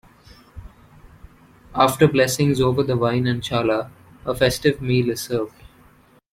After blessings over the wine and challah, a festive meal is served.